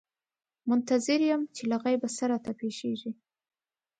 منتظر یم چې له غیبه څه راته پېښېږي.